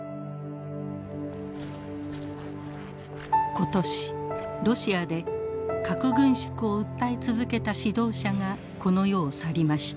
ことしロシアで核軍縮を訴え続けた指導者がこの世を去りました。